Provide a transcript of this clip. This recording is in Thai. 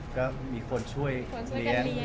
ก็มีคนช่วยการเลี้ยงเยอะครับ